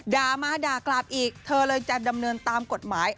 ด่ามาด่ากลับอีกเธอเลยจะดำเนินตามกฎหมาย